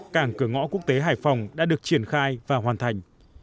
cảng cửa ngõ quốc tế hải phòng đã được triển khai và hoàn thành